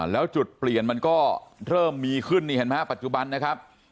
แล้วจุดเปลี่ยนมันก็เริ่มมีขึ้นปัจจุบันนะครับ